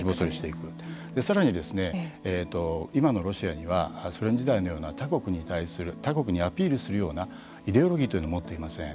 さらに今のロシアにはソ連時代のような他国に対する他国にアピールするようなイデオロギーというのを持っていません。